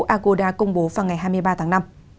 agoda công bố vào ngày hai mươi ba tháng năm